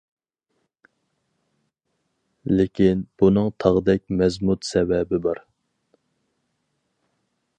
لېكىن بۇنىڭ تاغدەك مەزمۇت سەۋەبى بار.